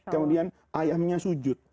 kemudian ayamnya sujud